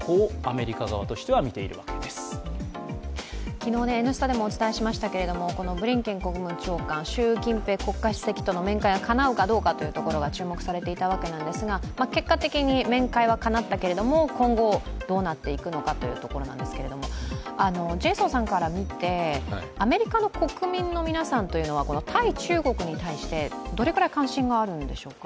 昨日、「Ｎスタ」でもお伝えしましたけれどもブリンケン国務長官、習近平国家主席との面会がかなうかどうかというところが注目されていたわけなんですが結果的に面会はかなったけれども今後どうなっていくのかというところなんですけれども、ジェイソンさんから見てアメリカの国民の皆さんはこの対中国に対してどれくらい関心があるんでしょうか。